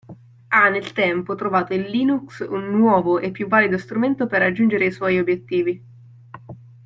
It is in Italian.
Ha nel tempo trovato in Linux un nuovo e più valido strumento per raggiungere i suoi obiettivi.